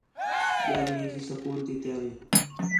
ٻِیال مینجی سکول تی تیاری